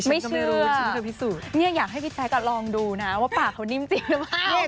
ไม่เชื่อนี่อยากให้พี่แจ๊กลองดูนะว่าปากเขานิ่มจริงนะครับ